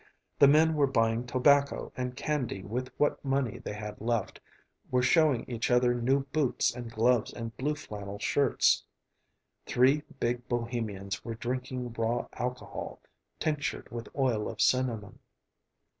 The men were buying tobacco and candy with what money they had left, were showing each other new boots and gloves and blue flannel shirts. Three big Bohemians were drinking raw alcohol, tinctured with oil of cinnamon.